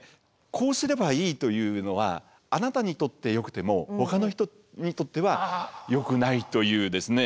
こうすればいいというのはあなたにとってよくてもほかの人にとってはよくないというということなんですね。